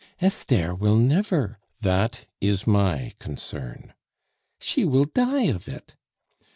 "Esther will never " "That is my concern." "She will die of it."